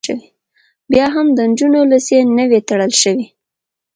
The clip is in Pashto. بیا هم د نجونو لیسې نه وې تړل شوې